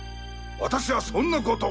私はそんなこと！